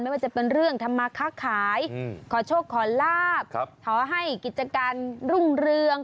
ว่าจะเป็นเรื่องธรรมาค่าขายขอโชคขอลาบขอให้กิจการรุ่งเรือง